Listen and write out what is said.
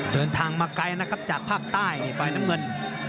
เดินทางมาไกลนะครับจากภาคใต้ฝ่ายน้ำเงิน